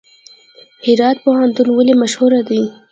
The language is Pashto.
هرات پوهنتون ولې مشهور دی؟